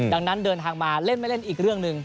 ดังนั้นเดินทางมาเล่นไม่เล่นอีกเรื่องหนึ่ง